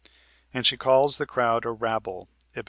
And she calls the crowd a "rabble" (Ib.)